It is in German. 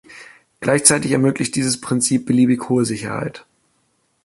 Gleichzeitig ermöglicht dieses Prinzip beliebig hohe Sicherheit.